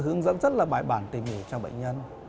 hướng dẫn rất là bài bản tìm hiểu cho bệnh nhân